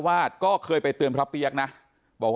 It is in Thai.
ฝ่ายกรเหตุ๗๖ฝ่ายมรณภาพกันแล้ว